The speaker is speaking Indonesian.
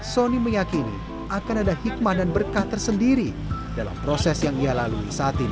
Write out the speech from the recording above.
sonny meyakini akan ada hikmah dan berkah tersendiri dalam proses yang ia lalui saat ini